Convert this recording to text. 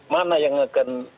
mana yang akan